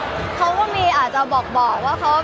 มันเป็นเรื่องน่ารักที่เวลาเจอกันเราต้องแซวอะไรอย่างเงี้ย